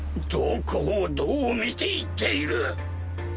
どこをどう見て言っている！